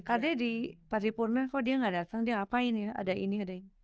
ada di paripurna kok dia nggak datang dia ngapain ya ada ini ada ini